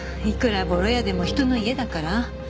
いくらボロ家でも人の家だから。